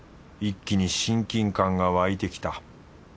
一気に親近感が湧いてきた。